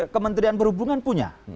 kementerian perhubungan punya